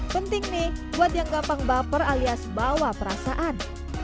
penting nih buat yang gampang baper alias bawa perasaan